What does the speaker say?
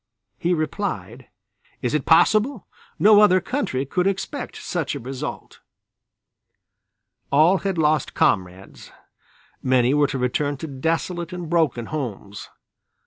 He replied: "Is it possible! No other country could expect such a result." All had lost comrades, many were to return to desolate and broken homes.